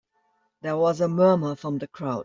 There was a murmur from the crowd.